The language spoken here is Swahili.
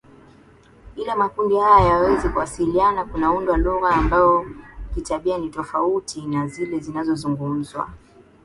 Ili makundi haya yaweze kuwasiliana kunaundwa lugha ambayo kitabia ni tofauti na zile zinazozungumzwa